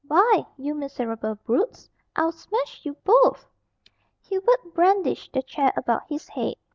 Why, you miserable brutes, I'll smash you both!" Hubert brandished the chair about his head.